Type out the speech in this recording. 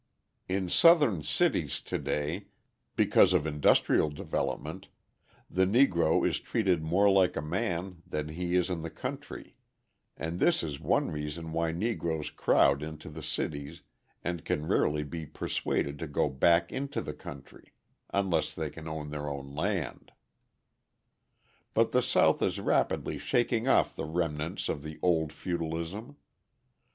In Southern cities to day, because of industrial development, the Negro is treated more like a man than he is in the country; and this is one reason why Negroes crowd into the cities and can rarely be persuaded to go back into the country unless they can own their own land. But the South is rapidly shaking off the remnants of the old feudalism.